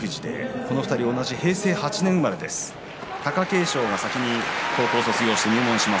この２人同じ平成８年生まれ貴景勝が先に入門します。